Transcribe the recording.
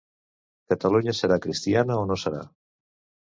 Catalunya serà cristiana o no serà.